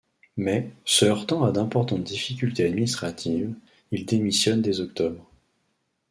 Mais, se heurtant à d'importantes difficultés administratives, il démissionne dès octobre.